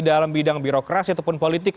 dalam bidang birokrasi ataupun politik